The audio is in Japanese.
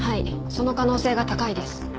その可能性が高いです。